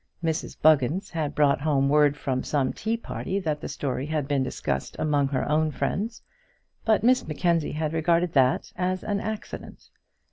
Mrs Buggins had brought home word from some tea party that the story had been discussed among her own friends; but Miss Mackenzie had regarded that as an accident.